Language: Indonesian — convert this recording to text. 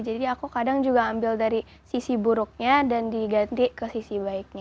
jadi aku kadang juga ambil dari sisi buruknya dan diganti ke sisi baiknya